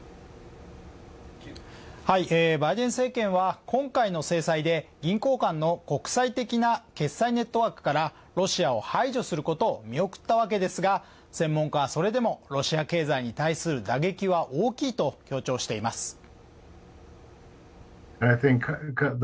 バイデン政権は今回の政権で銀行間の国際的な決済ネットワークからロシアを排除することを見送ったわけですが専門家はそれでもロシア経済に対する打撃は大きいと強調しています。